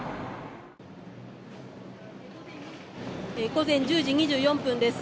午前１０時２４分です。